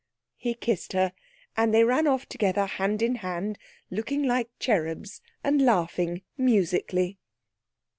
He kissed her, and they ran off together hand in hand; looking like cherubs, and laughing musically.